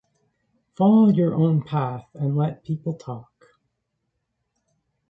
Follow your own path and let people talk.